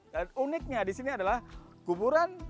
dan uniknya di sini adalah kuburan